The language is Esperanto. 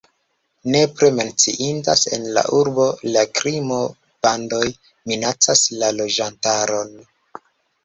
Nepre menciindas en la urbo la krimo, bandoj minacas la loĝantaron.